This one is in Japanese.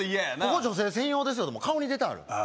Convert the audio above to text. ここ女性専用ですよともう顔に出てはるあ